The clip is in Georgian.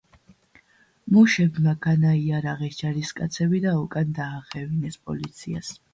მუშებმა განაიარაღეს ჯარისკაცები და უკან დაახევინეს პოლიციას.